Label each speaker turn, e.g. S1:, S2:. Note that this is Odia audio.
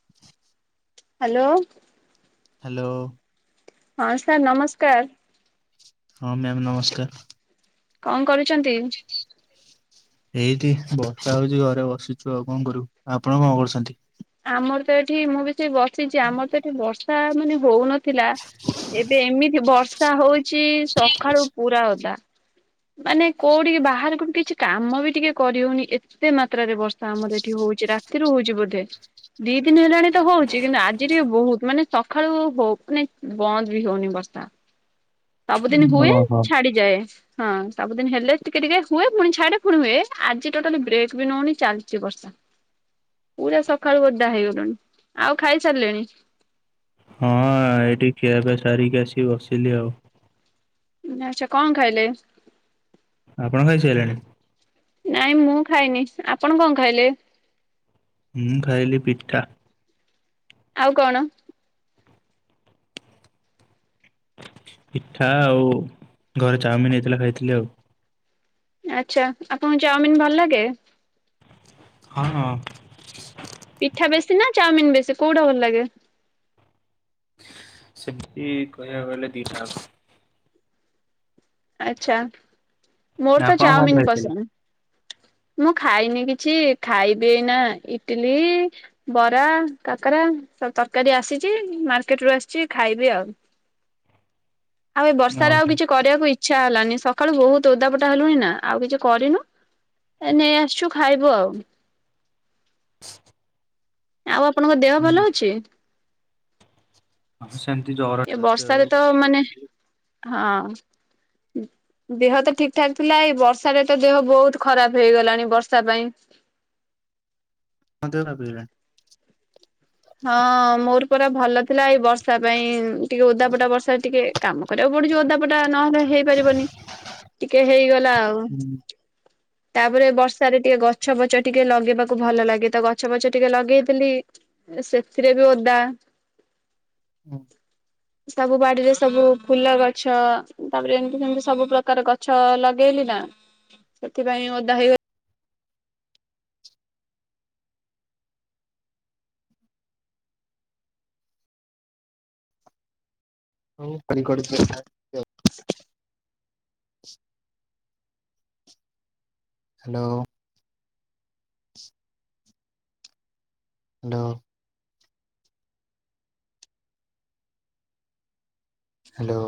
S1: [inaudible]
S2: ହାଲୋ।
S1: ହାଲୋ।
S2: ହଁ ସାର୍ ନମସ୍କାର୍।
S1: ହଁ ମ୍ୟାମ୍ ନମସ୍କାର।
S2: କଣ କରୁଛନ୍ତି?
S1: ଏଇଠି ବର୍ଷା ହଉଚି ଘରେ ବସିଚୁ ଆଉ କଣ କରିବୁ ଆପଣ କଣ କରୁଶନ୍?
S2: ଆମର ତ ଏଠି ମୁଁ ବି ସେଇ ବସିଚି ଆମର ତ ଏଠି ବର୍ଷା ମାନେ ହୋଉ ନ ଥିଲା ଏବେ ଏମିତି ବର୍ଷା ହୋଉଚି ସଖାଳୁ ପୁରା ଓଦା। ମାନେ କୋଉଠିକି ବାହାରୁକୁବି କିଛି କାମ ବି ଟିକେ କରିହଉନି ଏ ତେ ମାତ୍ରାରେ ବର୍ଷା ଆମର ଏଠି ହଉଚି ରାତିରୁ ହଉଚି ବୋଧେ। ଦି ଦିନି ହେଲାଣି ତ ହଉଚି କିନ୍ତୁ ଆଜି ଟିକେ ବହୁତ୍। ମାନେ ସଖାଳୁ ହଉ ମାନେ ବନ୍ଦ ବି ହଉନି ବର୍ଷା। ସବୁଦିନି ହୁଏ
S1: ଓହୋ ହଁ
S2: ଛାଡିଯାଏ। ହଁ, ସବୁଦିନ ହେଲେ ଟିକେ ଟିକେ ହୁଏ ପୁଣି ଛାଡେ ପୁଣି ହୁଏ ଆଜି ଟୋଟାଲି ବ୍ରେକ୍ ବି ନଉନି ଚାଲିଛି ବର୍ଷା ପୁରା ସକାଳୁ ଓଦା ହେଇଗଲୁଣି ଆଉ ଖାଇସାରିଲେଣି।
S1: ହଁ, ଏଇଠି ଖିଆପିଆ ସାରିକି ଆସିକି ବସିଲି ଆଉ।
S2: ଜାଣିଛ କଣ ଖାଇଲେ?
S1: ଆପଣ ଖାଇ ସାଇଲେଣି।
S2: ନାଇଁ ମୁଁ ଖାଇନି ଆପଣ କଣ ଖାଇଲେ?
S1: ମୁଁ ଖାଇଲି ପିଠା
S2: ଆଉ କଣ?
S1: ପିଠା ଆଉ ଘରେ ଚାଉମିିନ ହେଇଥିଲା ଖାଇଥିଲି ଆଉ।
S2: ଆଚ୍ଛା, ଆପଣଙ୍କୁ ଚାଉମିିନ୍ ଭଲ ଲାଗେ।
S1: ହଁ, ଅ।
S2: ପିଠା ବେଶୀ ନା ଚାଉମିନ୍ ବେଶୀ କୋଉଟା ଭଲ ଲାଗେ?
S1: ସେମିତି କହିବାକୁ ଗଲେ ଦିଟା ଙ୍କ।
S2: ଆଛା, ମୋର
S1: ଯାକ
S2: ତ
S1: ଆପଣ କଣ
S2: ଚାଓମିିନ୍ ପସନ୍ଦ।
S1: [inaudible]
S2: ମୁଁ ଖାଇନି କିଛି ଖାଇବି ଏଇନା ଇଟିଲି ବରା, କାକରା ଆଉ ତରକାରୀ ଆସିଛି ମାର୍କେଟରୁୁ ଆସିଛି ଖାଇବି ଆଉ।
S1: [inaudible]
S2: ଆଉ ଏ
S1: ଓହୋ
S2: ବର୍ଷାରେ ଆଉ କିଛି କରିବାକୁ ଇ ଇଛା ହେଲାନି, ସକାଳୁ ବହୁତ ଓଦାପଟା ହେଲୁଣି ନା ଆଉ କିଛି କରିନୁ। ଏ ନେଇ ଆସିଛୁ ଖାଇବୁ ଆଉ।
S1: [inaudible]
S2: ଆଉ ଆପଣଙ୍କ ଦେହ ଭଲ ଅଛି।
S1: ହଁ, ସେମିତି ଜର
S2: ଏ
S1: ଅଛି
S2: ବର୍ଷାରେ
S1: ଆଉ।।
S2: ତ ମାନେ ହଁ। ଦେହ ତ ଠିକ୍ ଠାକ୍ ଥିଲା ଏଇ ବର୍ଷା ରେ ତ ଦେହ ବହୁତ ଖରାପ ହେଇଗଲାଣି ବର୍ଷା ପାଇଁ।
S1: ଅଧିକ କାଇଁ ବୁଲିବା
S2: ହଁ, ମୋର ପୁରା ଭଲ ଥିଲା, ଏଇ ବର୍ଷା ପାଇଁ ଟିକେ ଓଦାପଟା ବର୍ଷା ଟିକେ କାମ କରିବାକୁ ପଡୁଛି ଓଦାକୁ ପଟା ନହେଲେ ହେଇପାରିବନି ଟିକେ ହେଇଗଲା ଆଉ ତାପରେ ବର୍ଷା ବର୍ଷା ରେ ଟିକେ ଗଛ ଫଛ ଟିକେ ଲଗେଇବାକୁ ଭଲ ଲାଗେ ତ ଗଛ ଫଛ ଟିକେ ଲଗେଇଥିଲି। ଏ ସେଥିରେ ବି ଓଦା
S1: ହୁଁ।
S2: ସବୁ ବାଡିରେ ସବୁ ଫୁଲ ଗଛ ତାପରେ ଏମି଼ତି ସେମିତି ସବୁ ପ୍ରକାର ଗ ଗଛ ଲଗେଇଲି ନା ସେଥିପାଇଁ ଓଦା ହେଇଗଲି।
S1: ହଉ କନି କରିଛି ଚୁଖା ୟ [unintelligible] ହାଲୋ ହାଲୋ ହାଲୋ